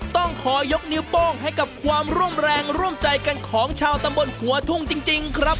ต้องขอยกนิ้วโป้งให้กับความร่วมแรงร่วมใจกันของชาวตำบลหัวทุ่งจริงครับ